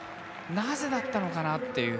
なぜだったのかなと。